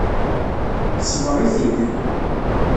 Tesbeɣ-it-id.